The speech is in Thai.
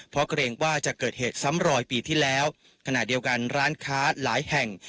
เพราะเกรงว่าจะเกิดเหตุซ้ำรอยปีที่แล้วขณะเดียวกันร้านค้าหลายแห่ง